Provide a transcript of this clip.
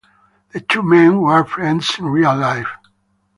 The two men were friends in real life.